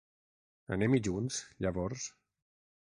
Anem-hi junts, llavors.